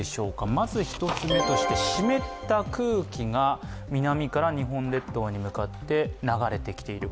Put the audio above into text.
まず１つ目として湿った空気が南から日本列島に流れてきている。